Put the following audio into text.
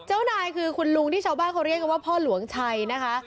เจ้านายคือคุณลุงที่ชาวบ้านเขาเรียกกันว่าพ่อหลวงชัยนะคะ